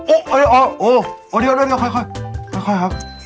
เอ้าอดีเร็วโดยโค่ยครับ